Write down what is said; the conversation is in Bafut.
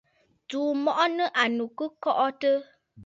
Tsùu mɔʼɔ nɨ̂ ànnù kɨ kɔʼɔtə̂.